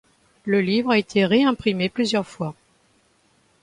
Le livre a été réimprimé plusieurs fois.